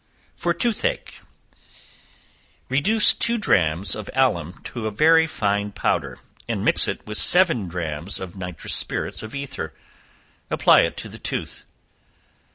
For Tooth ache. Reduce two drachms of alum to a very fine powder, and mix with it seven drachms of nitrous spirits of ether; apply it to the tooth.